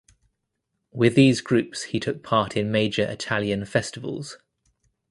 With these groups he took part in major Italian festivals.